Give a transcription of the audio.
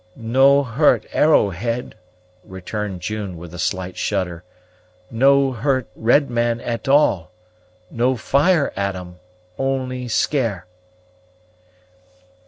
"No hurt Arrowhead," returned June, with a slight shudder, "no hurt red man at all. No fire at 'em; only scare."